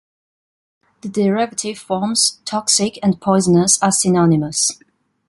The derivative forms "toxic" and "poisonous" are synonymous.